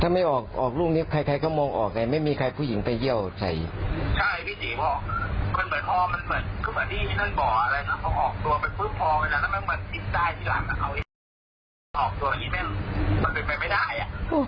ถ้าไม่ออกรูปนี้ใครก็มองออกไม่มีใครฝึกหญิงไปเยี่ยงอยู่กัน